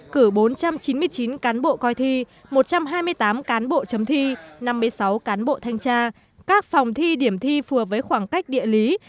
cử bốn trăm chín mươi chín cán bộ coi thi một trăm hai mươi tám cán bộ chấm thi năm mươi sáu cán bộ thanh tra các phòng thi điểm thi phù hợp với khoảng cách địa lý